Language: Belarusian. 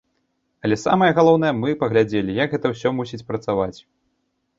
Але самае галоўнае, мы паглядзелі, як гэта ўсё мусіць працаваць.